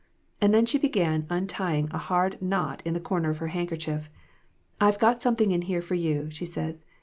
And then she began untying a hard knot in the corner of her handkerchief. 'I've got something in here for you', she said.